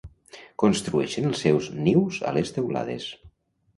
Construeixen els seus nius a les teulades.